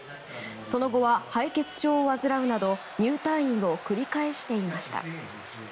その後は、敗血症を患うなど入退院を繰り返していました。